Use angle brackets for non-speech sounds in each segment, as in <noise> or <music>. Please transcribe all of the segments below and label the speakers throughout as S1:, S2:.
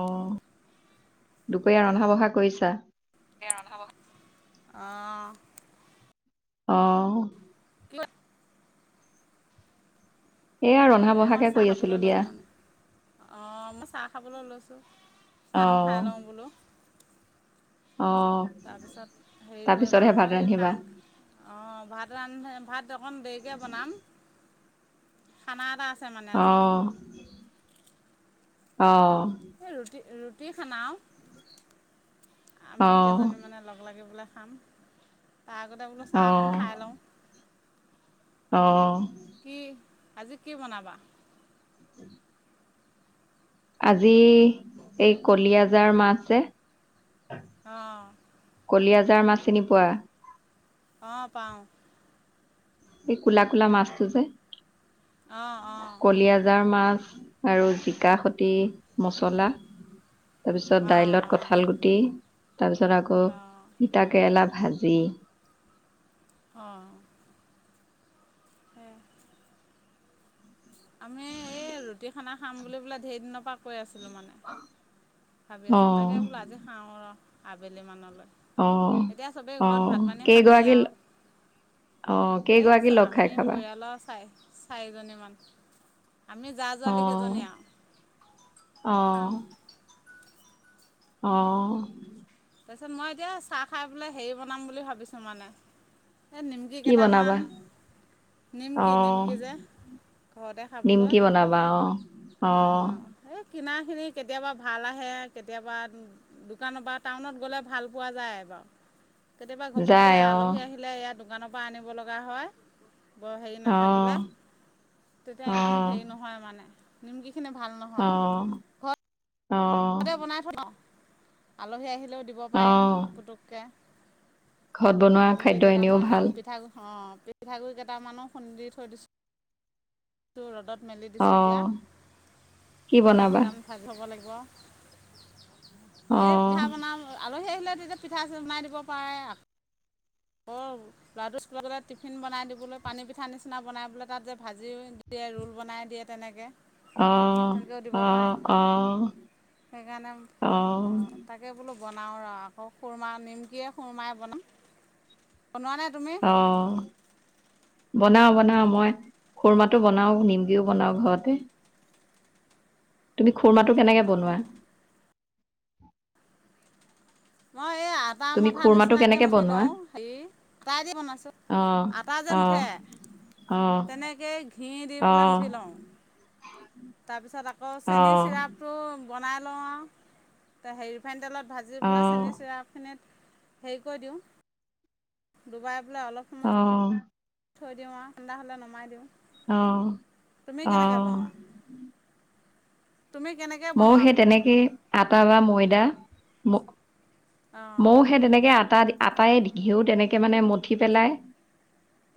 S1: অ দুপৰীয়া ৰন্ধা বঢ়া কৰিছা?
S2: আহ।
S1: অঁ।
S2: <unintelligible>
S1: এয়া
S2: এ
S1: ৰন্ধা
S2: আমাৰ
S1: বঢ়াকে
S2: চাহ
S1: কৰি আছিলো
S2: খাবলৈ
S1: দিয়া
S2: লৈছো মানে আহ মই চাহ খাবলৈ লৈছো। চাহ
S1: অ
S2: কন খাই লওঁ বোলো।
S1: অ
S2: তাৰপিছত হেৰি কৰিম
S1: তাৰপিছতহে
S2: আৰু
S1: ভাত
S2: মই
S1: ৰান্ধিবা
S2: কাম অঁ ভাত ৰান্ধ ভাত টো অকণ দেৰিকে বনাম, খানা এটা আছে। মানে আজি
S1: অহ, অহ।
S2: এ ৰুটি ৰুটি খানা অ।
S1: অ
S2: আমি কেইজনী মানে লগ লাগি পেলাই খাম তাৰ আগতে বোলো
S1: অ
S2: চাহ অকণ খাই লওঁ।
S1: অঁ।
S2: কি আজি কি বনাবা?
S1: আজি এই কলীয়াজাৰ মাছ যে
S2: অঁ।
S1: যাৰ মাছ চিনি পোৱা।
S2: অ পাওঁ।
S1: এই কলা কলা মাছটো যে,
S2: অঁ অঁ
S1: কলি আজাৰ মাছ। আৰু জিকা, খতি, মচলা তাৰ পিছত
S2: অঁ
S1: দাইলত কঁঠাল গুটি তাৰ পিছত আকৌ
S2: অঁ
S1: তিতা কেৰেলা ভাজি জি।
S2: অ সে আমি এই ৰুটি খানা খাম বুলি বোলে ধেৰ দিনৰ পৰা কৈ আছো। ছিলোঁ মানে ভাবি আছোঁ
S1: অ
S2: তাকে বোলো আজি খাওঁ ৰ আবেলি মানলৈ।
S1: অ
S2: এতিয়া চবেই
S1: অ
S2: ঘৰত ভাত পানী খালেই
S1: কেইগৰাকী?
S2: আৰু
S1: অ কেইগৰাকী লগ খাই খাবা?
S2: চাৰিজনী মান। আমি জা
S1: অ
S2: যোৱালি কেইজনী আৰু
S1: অ
S2: খাম।
S1: আহ।
S2: তাৰপিছত মই এতিয়া চাহ খাই বোলে হেৰি বনাম বুলি ভাবিছোঁ মানে। এই নিমকি
S1: কি বনাবা
S2: কেইটামান
S1: অ
S2: নিমকি নিমকি যে ঘৰতে খাবলৈ
S1: নিমকি বনাবা অ অ।
S2: অঁ এই কিনাখিনি কেতিয়াবা ভাল আহে, কেতিয়াবা দোকানৰ পৰা টাউনত গলে ভাল পোৱা যায় বাৰু কেতিয়াবা ঘপককে
S1: যায় অ
S2: আলহী আহিলে ইয়াত দোকানৰ পৰা আনিব লগা হয়। বৰ হেৰি
S1: অ
S2: নাথাকিলে, তেতিয়া
S1: অ
S2: ইমান হেৰি নহয় মানে নিমকি খনে ভাল
S1: অ
S2: নহয় ঘৰত
S1: অ
S2: ততে বনাই থ ন, আলহী আহিলেও দিব
S1: অ
S2: পাৰিম পুতুককে।
S1: ঘৰত বনোৱা
S2: নিমকি
S1: খাদ্য এনেও
S2: কেইটামান
S1: ভাল
S2: আৰু পিঠা অ পিঠাগুৰি কেইটামানো খুন্দি থৈ দিছো ৰ'দত। মেলি
S1: অ
S2: দিছোঁ এতিয়া,
S1: কি
S2: আকৌ
S1: বনাবা
S2: কেইটামান ভাজ থ'ব লাগিব।
S1: অ
S2: এই পিঠা বনাম, আলহী আহিলে তেতিয়া পিঠা বনাই দিব পাৰে। আকৌ ল'ৰাটো স্কুলত গ'লে টিফিন বনাই দিবলৈ পানী পিঠা নিচিনা বনাইলৈ তাত যে ভাজি দিয়ে ৰোল বনাই দিয়ে তেনেকে।
S1: আহ আহ আহ।
S2: সেইকাৰণে অঁ তাকে বোলো। বনাওঁ ৰ আকৌ খুৰমা, নিমকিৰে খুুৰমাই বনাওঁ। বনোৱা নাই তুমি?
S1: অ বনাও বনাও মই খুৰমাটো বনাও, নিমকিও বনাও ঘৰতে। তুমি খুৰমাটো কেনেকে বনোৱা?
S2: অঁ অ এই আদা
S1: তুমি
S2: মথা
S1: খুৰমাটো
S2: নিচিনাকে
S1: কেনেকে
S2: মুঠি
S1: বনোৱা?
S2: লওঁ, হেৰি তাই দি বনাইছো।
S1: অ'
S2: আটা যে
S1: অ'
S2: মুঠে।
S1: অ'
S2: তেনেকেই ঘি দি
S1: অ' অ'
S2: পেলাই মুঠি লওঁ। তাৰ পিছত আকৌ চেনীৰ চিৰাপতটো। বনাই লওঁ আৰু হেৰি ৰিফাইন তেলত ভাজি পেলাই
S1: অ'
S2: চেনী চিৰাপখিনিত। হেৰি কৈ দিওঁ। ডুবাই। পেলাই অলপ সময়
S1: অ'
S2: থৈ দিওঁ আৰু ঠাণ্ডা হ'লে নমাই দিওঁ।
S1: অ'।
S2: তুমি কেনেকে
S1: অ'
S2: বনোৱা। তুমি কেনেকৈ
S1: ময়ো
S2: বনোৱা
S1: সেই
S2: বোলো
S1: তেনেকেই আটা বা ময়দা। মৌহে তেনেকে আটা আটায়ে ঘিউ তেনেকে মানে মঠি পেলায়।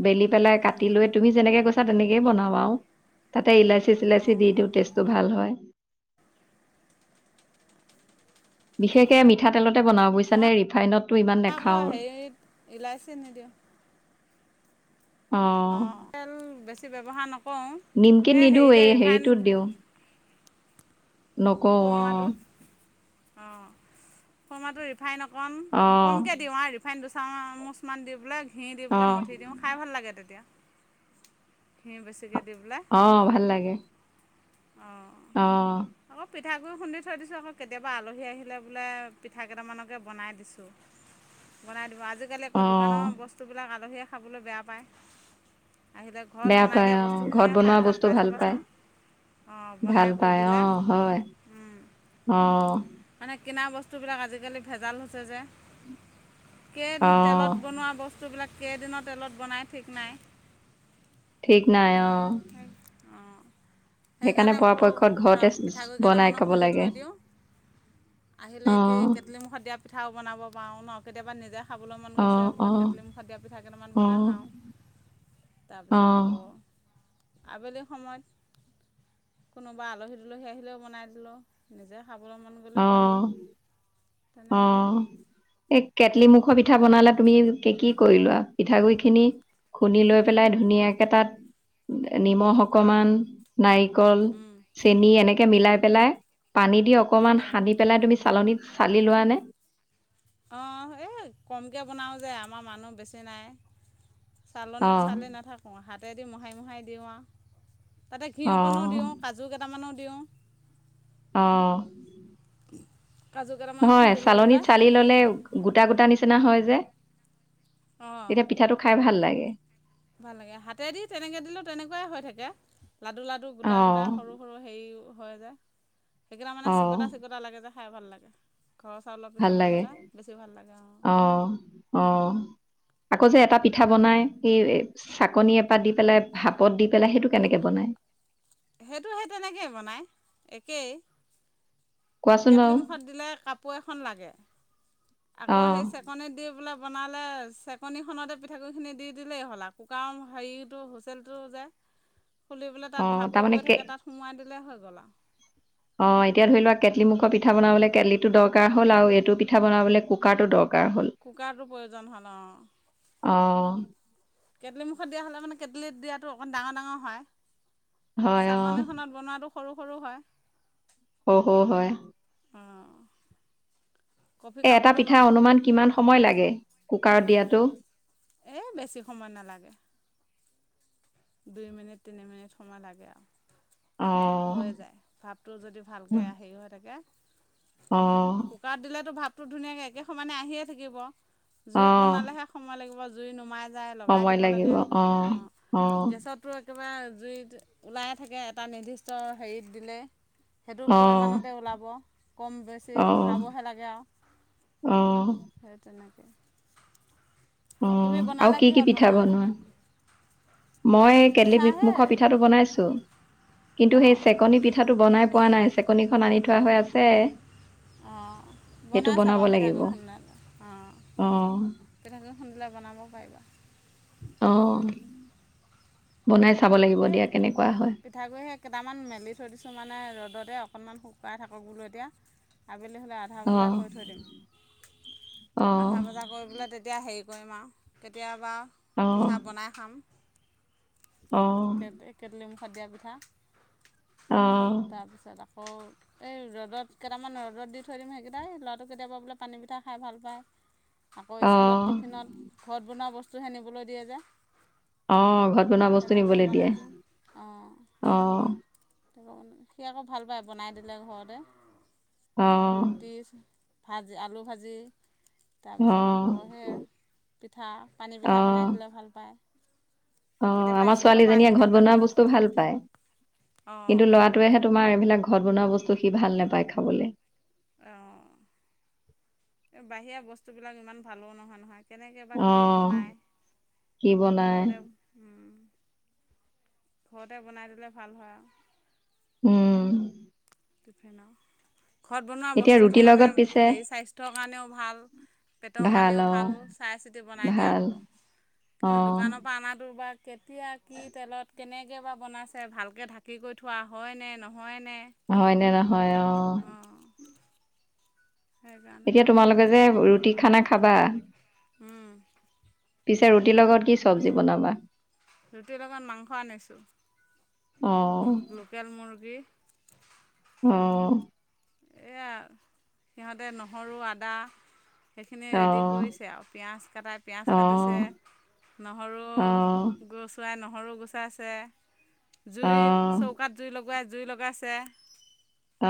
S1: বেলি পেলাই
S2: অঁ
S1: কাটি লৈ তুমি যেনেকে গৈছা। তেনেকেই বনাব আৰু এটা ইলাচী চিলাচি
S2: অঁ
S1: দিওঁ‌ টেষ্ট টো ভাল হয়। বিশেষকে মিঠাতেলত বনাওঁ বোইছা
S2: মই
S1: নে ৰিফাইনতটো ইমান
S2: আকৌ
S1: নাখাওঁ।
S2: হেৰিত ইলাচি নিদিওঁ অ' তেল বেছি ব্যৱহাৰ নক
S1: নিমকিট নিদো এ হেৰিটোত দিওঁ। নকওঁ অ'
S2: অ' খোৰ্মাটো ৰিফাইন অকণ
S1: অ', অ',
S2: কমকে দিওঁ। ফাইন দুচামুচমান দি পেলাই ঘি দি পেলাই
S1: অ',
S2: মঠি দিওঁ খাই ভাল লাগে তেতিয়া। ঘী বেছি।
S1: অ' ভাল লাগে।
S2: অ'
S1: অ'
S2: পিঠাগুৰি় খুন্দি থৈ দিছোঁ। আকৌ কেতিয়াবা আলহী আহিলে বোলে পিঠা কেইটামানকে বনাই দিছোঁ। বনাই দিব আজিকালি। আকৌ দোকানৰ
S1: অ',
S2: বস্তুবিলাক আলহীয়ে খাবলৈ বেয়া পায়। আহিলে ঘৰত
S1: বেয়া
S2: বনাই
S1: পায়
S2: দিয়া
S1: অ', ঘৰত
S2: বস্তুখিনিহে খাই
S1: বনোৱা
S2: ভাল
S1: বস্তু
S2: পায় চাবাচোন। অঁ বনাই
S1: ভাল
S2: কৰি
S1: পাই
S2: দিলে
S1: অ' হয় অ'
S2: মানে কিনা বস্তুবিলাক আজিকালি ভেজাল হৈছে যে। কেই
S1: অ',
S2: তেলত বনোৱা বস্তুবিলাক কেইদিনৰ তেলত বনাই ঠিক নাই।
S1: ঠিক নাই অ'
S2: অঁ
S1: সেইকাৰণে
S2: বোলো
S1: পৰাপক্ষত
S2: ৰহ
S1: ঘৰতে
S2: পিঠাগুড়ি
S1: বনাই
S2: কেইটামানো
S1: খাব
S2: খুন্দি থৈ
S1: লাগে।
S2: দিওঁ আহিলে কি
S1: অ',
S2: কেটলিমুখত দিয়া পিঠাও পাওঁ ন। কেতিয়াবা নিজে খাবলৈ মন গৈছে
S1: অ', অ',
S2: বোলে
S1: অ',
S2: কেটলিমুখত দিয়া। পিঠা কেইটাম বনাই খাওঁ।
S1: <inaudible>
S2: তাৰপিছত
S1: অ',
S2: আকৌ। আবেলি সময়ত কোনোবা আলহী দুলহী আহিলেও বনাই দিলোঁ নিজে। খাবলৈ মন গ'লেও খালোঁ
S1: অ'
S2: তেনেকৈ আৰু
S1: অ' এই কেটলি মুখৰ পিঠা বনালে। তুমি কি কৰিলোৱা পিঠাগুৰি খিনি খুন্দি লৈ পেলাই ধুনীয়াকে তাত। নিমখ অকমান। নাৰিকল চেনী এনেকে মিলাই পেলাই পানী দিয়ক অকমান
S2: অঁ
S1: সানি পেলাই তুমি চালনীত চালি লোৱা নে?
S2: অ' এই কমকৈ বনাওঁ যে আমাৰ মানুহ বেছি নাই।
S1: অ
S2: চালনিত চালি নাথাকোঁ। হাতেদি মোহোৰি মোহাৰি দিওঁ আৰু তাতে ঘিউ
S1: অ
S2: অকণো দিওঁ। কাজু কেইটামানো দিওঁ।
S1: অ'
S2: কাজু কেইটামান
S1: নহয়
S2: খুন্দি লৈ
S1: চালনীত
S2: পেলাই
S1: চালি ললে গোটা গোটা নিচিনা হয় যে।
S2: অঁ
S1: তেতিয়া পিঠাটো খাই ভাল লাগে।
S2: ভাল লাগে হাতেদি তেনেকে দিলে তেনেকুৱাই হৈ থাকে। লাডু লাডু
S1: অ
S2: গোটা গোটা সৰু সৰু হেৰি হয় যে সেইকেইটা মানে
S1: অ
S2: চিকটা চিকটা লাগে যে খাই ভাল লাগে ঘৰৰ চাউলৰ
S1: ভাল
S2: পিঠাগুড়ি
S1: লাগে
S2: হ'লে বেছি ভাল লাগে আৰু
S1: অ অ আকৌ যে এটা পিঠা বনাই এই চাকনি এপাত দি পেলাই ভাপত দি পেলাই সেইটো কেনেকে বনায়
S2: সেইটো সেই তেনেকেই বনায় একেই
S1: কোৱাচোন বাৰু
S2: কেটলিমুখত দিলে কাপোৰ এখন লাগে
S1: অ
S2: আকৌ সেই চেকনি দি পেলাই বনালে চেকনিখনতে পিঠাগুৰিখিনি দি দিলেই হ'ল আৰু কুকাৰৰ হেৰিটো হুচেলটো যে
S1: <inaudible>
S2: খুলি পেলাই
S1: অ
S2: তাত ভাপটো
S1: তাৰমানে
S2: গৈ
S1: কে
S2: থাকে তাত সোমোৱাই দিলেই হৈ গ'ল আও
S1: অ এতিয়া ধৰি লোৱা কেটলি মুুখৰ পিঠা বনাবলে কেটলি টো দৰকাৰ হ'ল আৰু এইটো পিঠা বনাবলে কুকাৰটো দৰ
S2: কুকাৰটোৰ প্ৰয়োজন হয়' ন
S1: অ
S2: কেটলি মুখত দিয়া হ'লে মানে কেটলিত দিয়াটো অকণ ডাঙৰ ডাঙৰ হয়
S1: হয় অ
S2: চাকনিখনত বনোৱাটো সৰু সৰু হয়
S1: সও সও হয়
S2: অঁ কফি
S1: এ এটা
S2: কাপতো
S1: পিঠা
S2: বনাব পাৰি
S1: অনুমান কিমান সময় লাগে কুকাৰত দিয়াতো।
S2: এই বেছি সময় নালাগে। দুই মিনিট তিনি মিনিট সময় লাগে আৰু
S1: অ
S2: হৈ যায় ভাপটো যদি ভালকে হে হৈ থাকে
S1: অ
S2: কুকাৰত দিলেতো ভাপটো ধুনীয়াকে একে সমানে আহিয়ে থাকিব।
S1: অ
S2: জুইত বনালেহে সময় লাগিব জুই নুমাই যাই লগাই
S1: সময়
S2: দিব
S1: লাগিব
S2: লাগে
S1: অ
S2: উম
S1: অ অ
S2: গেছততো একেবাৰে জুইত ওলাই থাকে এটা নিৰ্দিষ্ট হেৰিত দিলে সেইটো পৰিমাণতে ওলাব কম বেছি
S1: অ
S2: ভৰাব হে লাগে আও
S1: অ
S2: সেই তেনেকে
S1: অ আৰু
S2: বনালে
S1: কি কি
S2: কিহত
S1: পিঠা
S2: বনোৱানো
S1: বনোৱা। মই কেটলি
S2: পিঠাহে
S1: মুখৰ পিঠাটো বনাইছো। কিন্তু সেই
S2: অঁ।
S1: চেকনি পিঠাটো বনাই পোৱা নাই চেকনিখন আনি থোৱা হৈ আছে
S2: অ
S1: সেইটো
S2: বনাই
S1: বনাব
S2: চাবা পিঠা
S1: লাগিব
S2: গুৰি খুন্দি লৈ অ
S1: অ
S2: তেনেকৈ খুন্দিলে বনাব পাৰিবা।
S1: অহ বনাইছে
S2: এই পিঠাগুড়ি সেই কেইটামান মেলি থৈ দিছোঁ মানে ৰ'দতে অ কণমান শুকাই থাকক বোলো এতিয়া আ হলে আধা
S1: অ
S2: ভজা কৰি থৈ দিম
S1: অ
S2: আধা ভজা কৰি পেলাই তেতিয়া হেই কৰিম আও কেতিয়াবা
S1: অ
S2: পিঠা বনাই খাম।
S1: অ
S2: কে কেটলি মুুখত দিয়া পিঠা।
S1: অহ
S2: তাৰপিছত আকৌ এই ৰ'দত কেইটামান ৰ'দত দি থৈ দিম সেইকেইটাই ল'ৰাটো কেতিয়াবা বোলে পানী পিঠা খাই ভাল পায়। আকৌ
S1: অ
S2: স্কুলত টিফিনত ঘৰত বনোৱা বস্তুহে নিবলৈ দিয়ে যে
S1: অ ঘৰত বনোৱা বস্তু নি
S2: তেনেকৈও বনাই দিম অ সি আকৌ ভাল পায় বনাই দিলে ঘৰতে
S1: অ অ
S2: ৰুটি ভাজি আলু ভাজি
S1: অ
S2: তাৰপিছত আকৌ সেই পিঠা পানী পিঠা বনাই দিলে ভাল পায়।
S1: অ
S2: কেতিয়াবা
S1: আমাৰ
S2: স্কুলৰ পৰা
S1: ছোৱালীজনীয়ে ঘৰত
S2: আহিলেও তাক
S1: বনোৱা বস্তু ভাল পায়
S2: অঁ
S1: কিন্তু লৰাটোৱেহে তোমা আমাৰ এইবিলাক ঘৰত বনোৱা বস্তু সি ভাল নোপায় খাবলৈ
S2: অ এই বাহিৰা বস্তুবিলাক ইমান ভালো নহয় নহয়। কেনেকে বা
S1: অ
S2: কি বনায়
S1: কি বনাই
S2: সৰুতে ঘৰতে বনাই দিলে ভাল হয় আও।
S1: উম
S2: টিফিনৰ ঘৰত বনোৱা
S1: এতিয়া
S2: বস্তুটো
S1: ৰুটিৰ
S2: মানে
S1: লগত পিছে
S2: হেৰি স্বাস্থ্যৰ কাৰণেও ভাল। পেটৰ কাৰণেও ভাল চাই চিতি বনাই দিয়া
S1: ভাল
S2: হ'ব।
S1: অ
S2: কিন্তু দোকানৰ পৰা অনাটো বা কেতিয়া কি তেলত কেনেকৈবা বনাইছে ভালকৈ ঢাকি কৰি থোৱা হয়নে নহয় নে।
S1: সে নহয় অ
S2: সেইকাৰণে
S1: এতিয়া তোমালোকে যে ৰুটি খানা খাবা
S2: হম
S1: পিছে ৰুটিৰ লগত কি চব্জি বনাবা।
S2: ৰুটিৰ লগত মাংস আনিছোঁ।
S1: অ',
S2: লোকেল মুৰ্গী
S1: আহ
S2: এইয়া সিহঁতে নহৰু আদা সেইখিনি ৰেডি
S1: অ',
S2: কৰিছে আৰু পিঁয়াজ কাটাই পিঁয়াজ
S1: অ',
S2: কাটিছে নহৰু
S1: অ', অ',
S2: গৰু চোৱাই নহৰু। <unintelligible> হৰু গুচাইছে জুই চৌকাত জুই লগুৱাই জুই লগাইছে।
S1: অ।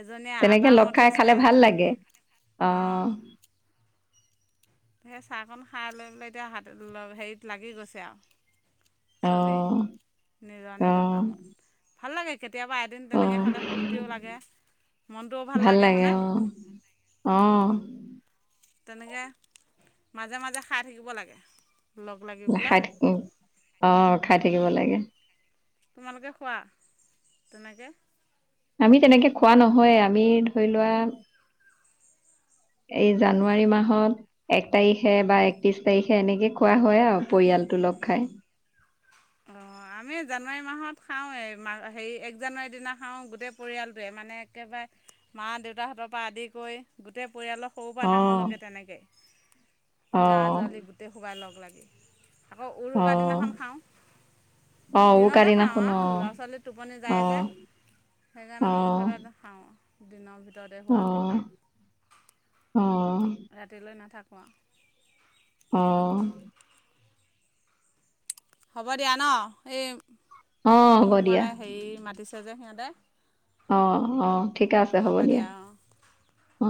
S2: এজনীয়ে
S1: তেনেকে
S2: আদা
S1: লগ খাই
S2: মঠিছে
S1: খালে ভাল লাগে
S2: তেনেকৈ
S1: আহ।
S2: অঁ সেই চাহকণ খাই লৈ পেলাই এতিয়া হা হেৰিত লাগি গৈছে আৰু। চবেই
S1: অ',
S2: নিজৰ নিজৰ
S1: অ',
S2: কামত ভাল লাগে। কেতিয়াবা এদিন তেনেকৈ
S1: অ',
S2: খালে ফূৰ্তিও লাগে মনটোও ভাল লাগে হানে।
S1: আহ।
S2: তেনেকে মাজে মাজে খাই থাকিব লাগে। লগ লাগি পেলাই
S1: খাই থা আহ খাই থাকিব লাগে।
S2: তোমালোকে খোৱা তেনেকে।
S1: আমি তেনেকে খোৱা নহয় আমি ধৰি লোৱা। এই জানুৱাৰী মাহত এক তাৰিখে বা একত্ৰিশ তাৰিখে এনেকে খোৱা হয় আৰু পৰিয়ালটো। লগ খাই।
S2: অ। আমি জানুৱাৰী মাহত খাওঁৱ এইা হেৰি এক জানুৱাৰীৰ দিনা খাওঁ গোটেই পৰিয়ালটোৱে মানে একেবাৰে। মা দেউতাহঁতৰ পৰা আদি কৰি গোটেই পৰিয়ালৰ সৰুৰ পৰা
S1: অ',
S2: ডাঙৰলৈকে তেনেকৈ। জা
S1: অ',
S2: জালি গোটেই সোবাই লগ লাগি আকৌ উৰুকাৰ
S1: অ',
S2: দিনাখন খাওঁ।
S1: অ', উৰুকা
S2: দিনতে খাওঁ
S1: দিনাখন
S2: আৰু
S1: অ'।
S2: ল'ৰা ছোৱালী টোপনি যায় যে।
S1: অ',
S2: সেইকাৰণে
S1: অ',
S2: সোনকালে খাওঁ দিনৰ ভিতৰত।
S1: অ অ।
S2: ৰাতিলৈ নাথাকোঁ।
S1: আহ।
S2: হ'ব দিয়া ন এই
S1: অ হ'ব
S2: মোক
S1: দিয়া
S2: মানে হেৰি মাতিছে যে সিহঁতে।
S1: অ অ ঠিকে আছে হ'ব দিয়া অ।